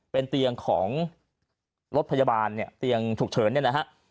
เป็นเตียงของรถพยาบาลเนี่ยเตียงฉุกเฉินเนี่ยนะฮะ